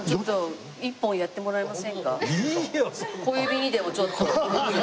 小指にでもちょっと。